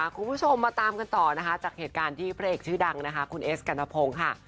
คุณผู้ชมมาตามกันต่อจากเหตุการณ์ที่เปลี่ยกชื่อดังคุณเอสกัณฑพงค์ค่ะ